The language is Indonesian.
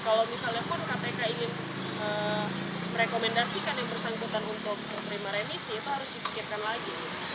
kalau misalnya pun kpk ingin merekomendasikan yang bersangkutan untuk terima remisi itu harus dipikirkan lagi